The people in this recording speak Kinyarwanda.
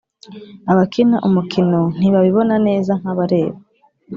abakina umukino ntibabibona neza nkabareba